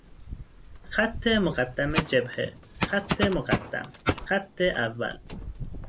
خط مقدم جبهه، خط مقدم، خط اول